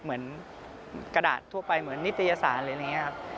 เหมือนกระดาษทั่วไปเหมือนนิตยศาสตร์เลยนะครับ